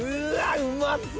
うまそう！